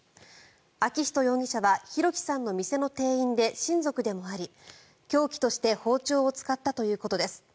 昭仁容疑者は弘輝さんの店の店員で親族でもあり凶器として包丁を使ったということです。